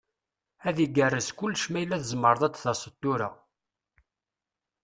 Ad igerrez kullec ma yella tzemreḍ ad d-taseḍ tura.